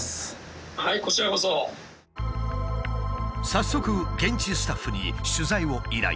早速現地スタッフに取材を依頼。